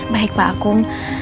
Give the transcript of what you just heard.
baik pak akung